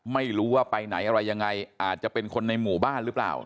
ไม่รู้ว่าไปไหนอะไรยังไงอาจจะเป็นคนในหมู่บ้านหรือเปล่า